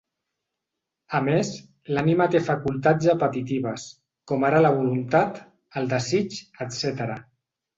A més, l'ànima té facultats apetitives, com ara la voluntat, el desig, etcètera.